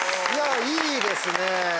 いいですね。